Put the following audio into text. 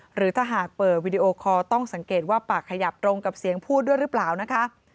หรือถ้าหากเปิดวิดีโอคอลต้องสังเกตว่าปากขยับตรงกับเสียงพูดด้วยหรือเปล่านะคะ